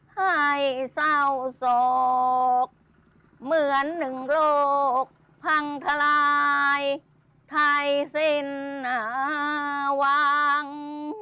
ให้เศร้าศกเหมือนหนึ่งโลกพังทลายไทยเส้นอ่าวาง